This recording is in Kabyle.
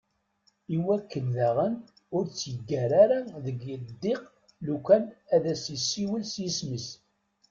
Iwakken d aɣen ur tt-yeggar ara deg ddiq lukan ad as-isiwel s yisem-is.